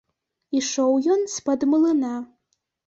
Ішоў ён з-пад млына.